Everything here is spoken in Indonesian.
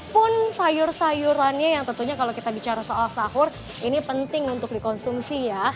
pun sayur sayurannya yang tentunya kalau kita bicara soal sahur ini penting untuk dikonsumsi ya